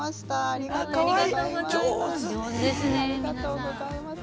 ありがとうございます。